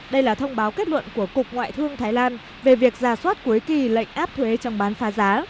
đây là thông báo kết luận của cục ngoại thương thái lan về việc ra soát cuối kỳ lệnh áp thuế chống bán phá giá